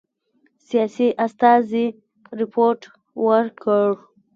سیاسي استازي رپوټ ورکړ.